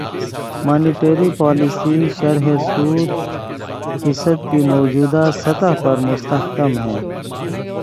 monetary policy شرح سود فیصد کی موجودہ سطح پر مستحکم